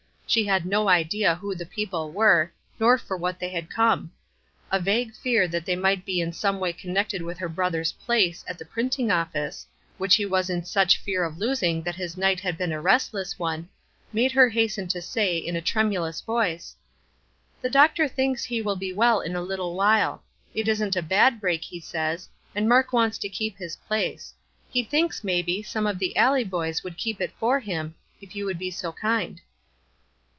She had no idea who the people were, nor for what they had come. A vague fear that they might be in some way connected with her brother's "place" at the printing office, which he was in such fear of losing that his night had been a restless one, made her hasten to say, in a tremulous voice: "The doctor thinks he will be well in a little while. It isn't a bad break, he says, and Mark wants to keep his place. He thinks, maybe, some of the alley boys would keep it for him, if you would be so kind."